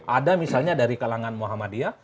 ada misalnya dari kalangan muhammadiyah